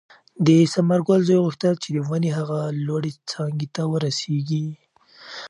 د ثمرګل زوی غوښتل چې د ونې هغې لوړې څانګې ته ورسېږي.